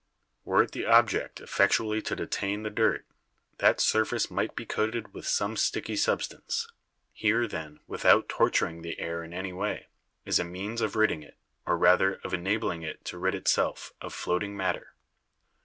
Were it the object effectually to detain the dirt, that surface might be coated with some sticky sub stance. Here, then, without 'torturing' the air in any way, is a means of ridding it, or rather of enabling it to rid itself, of floating matter.